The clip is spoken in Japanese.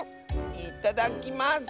いただきます！